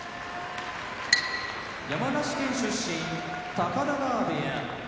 山梨県出身高田川部屋